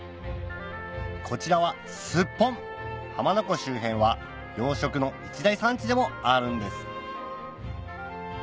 こちらは浜名湖周辺は養殖の一大産地でもあるんです